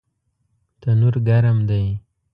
تنور ګرم دی